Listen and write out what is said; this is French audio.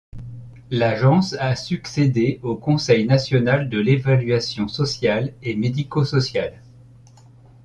L’Agence a succédé au Conseil national de l’évaluation sociale et médico-sociale.